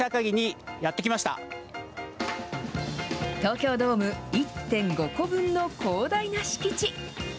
東京ドーム１．５個分の広大な敷地。